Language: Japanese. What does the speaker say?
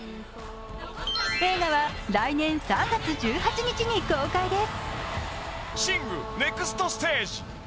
映画は来年３月１８日に公開です。